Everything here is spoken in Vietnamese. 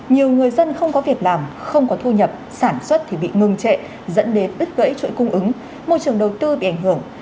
nhiều người dân không có việc làm không có thu nhập sản xuất thì bị ngừng trệ dẫn đến đứt gãy chuỗi cung ứng môi trường đầu tư bị ảnh hưởng